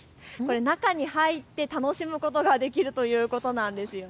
中に入って楽しむことができるということなんです。